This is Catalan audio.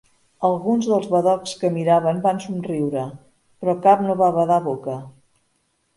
Alguns dels badocs que miraven van somriure, però cap no va badar boca.